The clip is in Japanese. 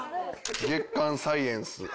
『月刊サイエンス』。